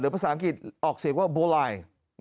ภาษาอังกฤษออกเสียงว่าบัวลาย